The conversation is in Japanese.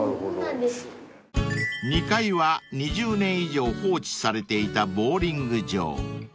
［２階は２０年以上放置されていたボウリング場］